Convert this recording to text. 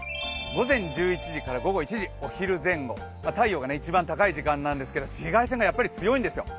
午前１１時から午後１時、お昼前後、太陽が一番高い時間なんですけど、紫外線がやっぱり強いんですよ。